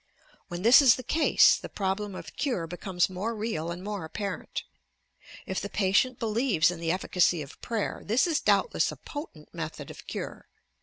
When this is the case, the problem of cure becomes more real and more apparent. If the patient believes in the efficacy of prayer, this is doubtless a potent method of cure.